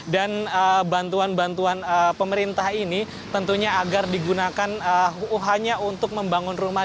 dan bantuan bantuan pemerintah ini tentunya agar digunakan hanya untuk membangun rumah